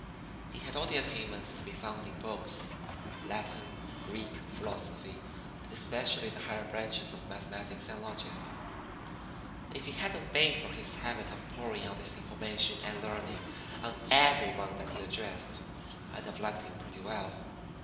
He had all the attainments to be found in books Latin, Greek, philosophy, and especially the higher branches of mathematics and logic. If it hadn't been for his habit of pouring out this information and learning on every one that he addressed, I'd have liked him pretty well.